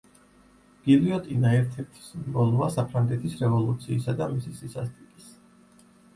გილიოტინა ერთ-ერთი სიმბოლოა საფრანგეთის რევოლუციისა და მისი სისასტიკის.